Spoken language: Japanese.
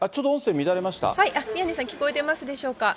宮根さん、聞こえてますでしょうか。